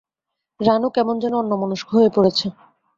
রানু কেমন যেন অন্যমনস্ক হয়ে পড়েছে।